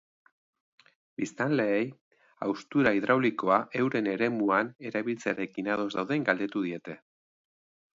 Biztanleei haustura hidraulikoa euren eremuan erabiltzearekin ados dauden galdetu diete.